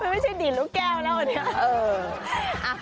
ไม่ใช่ดีดลูกแก้วแล้วอันนี้